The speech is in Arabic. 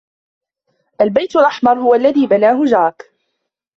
البيت الأحمر هو الذي بناه جاك.